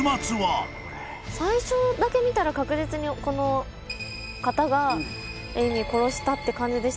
最初だけ見たら確実にこの方がエイミー殺したって感じでしたけど。